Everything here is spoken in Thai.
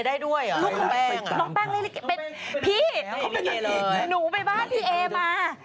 พี่หนูไปบ้านพี่เอ๋มา